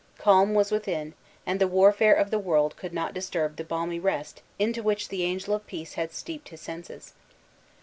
Calm was within, and the warfare of the world could not disturb the balmy rest into which the angel of peace had steeped his senses.